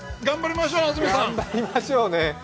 頑張りましょうね。